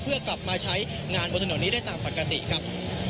เพื่อกลับมาใช้งานบนถนนนี้ได้ตามปกติครับ